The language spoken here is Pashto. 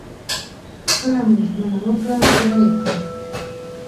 کله مو ژمنه وکړه پوره يې کړئ.